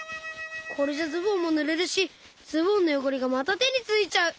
これじゃズボンもぬれるしズボンのよごれがまたてについちゃう！